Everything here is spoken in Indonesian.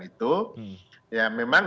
itu ya memang